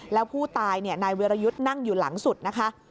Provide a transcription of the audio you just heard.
แล้วผู้ตายนายวิรยุทธ์นั่งอยู่หลังสุดนะคะ